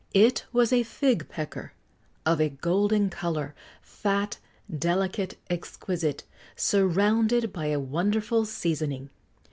It was a fig pecker of a golden colour fat, delicate, exquisite surrounded by a wonderful seasoning.